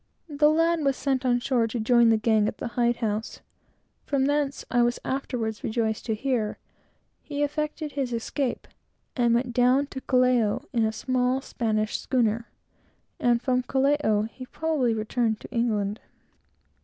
The lad was sent on shore to join the gang at the hide house; from whence, I was afterwards rejoiced to hear, he effected his escape, and went down to Callao in a small Spanish schooner; and from Callao, he probably returned to England.